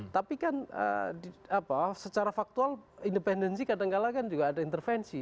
tapi kan secara faktual independensi kadangkala kan juga ada intervensi